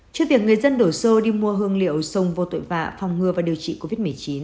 trước việc người dân đổ xô đi mua hương liệu sông vô tội vạ phòng ngừa và điều trị covid một mươi chín